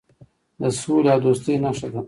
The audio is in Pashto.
د سولې او دوستۍ نښه ده.